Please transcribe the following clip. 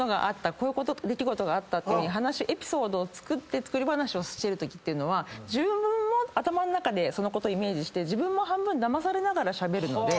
こういう出来事があったっていうふうにエピソードを作って作り話をしてるときというのは自分も頭ん中でそのことをイメージして自分も半分だまされながらしゃべるので。